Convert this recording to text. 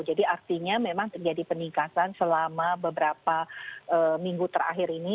jadi artinya memang terjadi peningkatan selama beberapa minggu terakhir ini